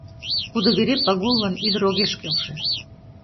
Кудо вере Пагуллан ӱдыр огеш келше.